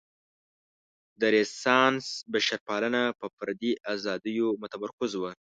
د رنسانس بشرپالنه په فردي ازادیو متمرکزه وه.